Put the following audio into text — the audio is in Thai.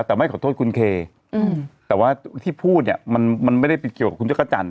แต่ไม่ขอโทษคุณเคแต่ว่าที่พูดเนี่ยมันไม่ได้ไปเกี่ยวกับคุณจักรจันท